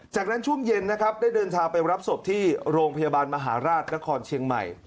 จากนั้นช่วงเย็นนะครับได้เดินทางไปรับศพที่โรงพยาบาลมหาราชนครเชียงใหม่